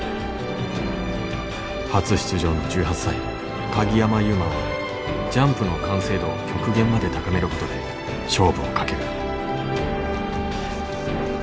初出場の１８歳鍵山優真はジャンプの完成度を極限まで高めることで勝負をかける。